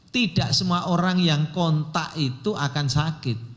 tidak semua orang yang kontak itu akan sakit